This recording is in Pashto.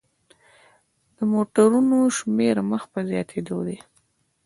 د موټرونو شمیر مخ په زیاتیدو دی.